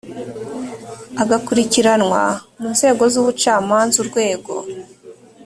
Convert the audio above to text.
agakurikiranwa mu nzego z ubucamanza urwego